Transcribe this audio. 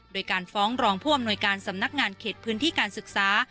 โดยการฟ้องรองผู้อำนวยการสำนักงานเขตพื้นที่การศึกษา